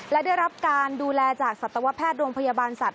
และได้รับการดูแลจากสัตวแพทย์โรงพยาบาลสัตว